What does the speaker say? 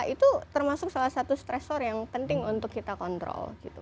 itu termasuk salah satu stressor yang penting untuk kita kontrol